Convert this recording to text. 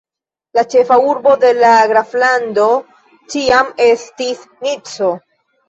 La ĉefa urbo de la graflando ĉiam estis Nico.